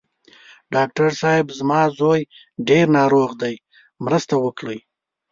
ډاکټر صېب! زما زوی ډېر ناروغ دی، مرسته وکړئ.